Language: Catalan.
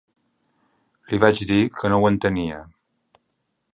Li vaig dir que no ho entenia.